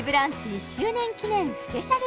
１周年記念スペシャル